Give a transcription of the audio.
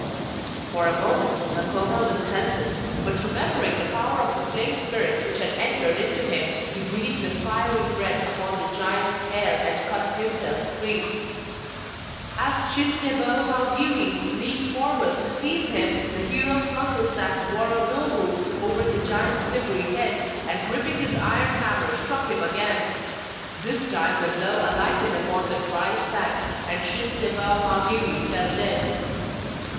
For a moment Makoma was helpless, but remembering the power of the flame spirit which had entered into him, he breathed a fiery breath upon the giant's hair and cut himself free. As Chin debou Mau giri leaned forward to seize him the hero flung his sack Woronowu over the giant's slippery head, and gripping his iron hammer, struck him again; this time the blow alighted upon the dry sack and Chin debou Mau giri fell dead.